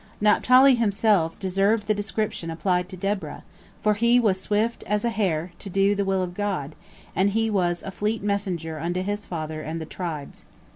Naphtali himself deserved the description applied to Deborah, for he was swift as a hart to do the will of God, and he was a fleet messenger unto his father and the tribes.